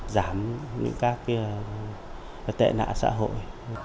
giảm những các tệ nạ xã hội